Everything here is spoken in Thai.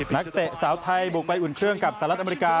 นักเตะสาวไทยบุกไปอุ่นเครื่องกับสหรัฐอเมริกา